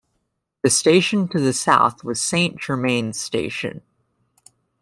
The station to the south was Saint Germain's station.